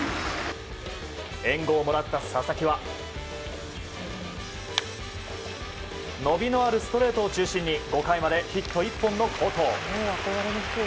援護をもらった佐々木は伸びのあるストレートを中心に５回までヒット１本の好投。